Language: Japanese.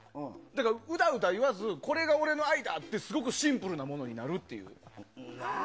だからうだうだ言わずこれが俺の愛だとすごくシンプルなものになるっていう。